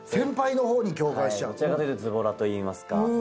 どちらかというとズボラといいますか。